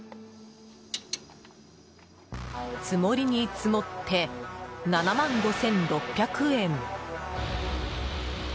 積もりに積もって７万５６００円。